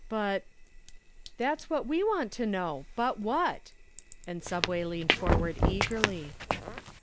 But " "That's what we want to know, but what?" and "Subway" leaned forward eagerly.